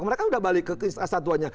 mereka sudah balik ke satuannya